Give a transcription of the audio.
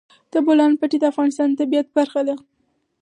د بولان پټي د افغانستان د طبیعت برخه ده.